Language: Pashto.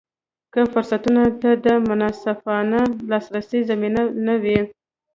که فرصتونو ته د منصفانه لاسرسي زمینه نه وي.